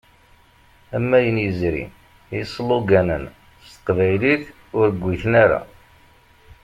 Am ayen yezrin, isloganen s teqbaylit ur ggiten ara.